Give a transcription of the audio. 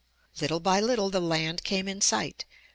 Little by little the land came in sight.